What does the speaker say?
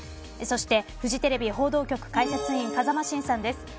そしてフジテレビ報道局解説委員、風間晋さんです。